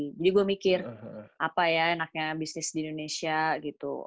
jadi gue mikir apa ya enaknya bisnis di indonesia gitu